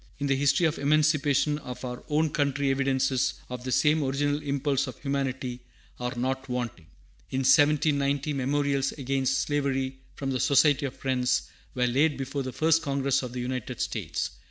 In the history of emancipation in our own country evidences of the same original impulse of humanity are not wanting. In 1790 memorials against slavery from the Society of Friends were laid before the first Congress of the United States.